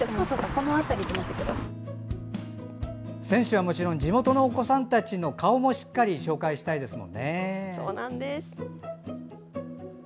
選手はもちろん地元のお子さんたちの顔もしっかり紹介したいですもんね。